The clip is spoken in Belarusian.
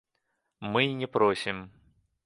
Мы і не просім.